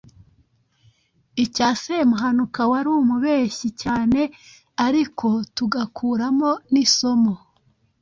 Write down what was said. icya Semuhanuka wari umubeshyi cyane ariko tugakuramo n’isomo